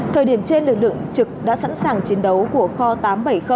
thời điểm trên lực lượng trực đã sẵn sàng chiến đấu của kho tám trăm bảy mươi